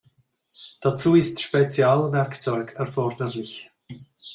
Dazu ist Spezialwerkzeug erforderlich.